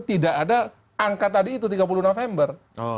tidak ada angka tadi itu tiga puluh november